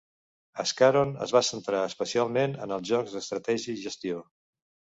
Ascaron es va centrar especialment en els jocs d'estratègia i gestió.